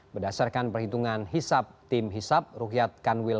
berdasarkan perhitungan hisap tim hisap rukyat kanwil